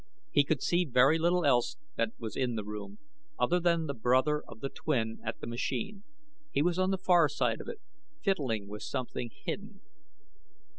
He could see very little else that was in the room, other than the brother of the twin at the machine. He was on the far side of it, fiddling with something hidden.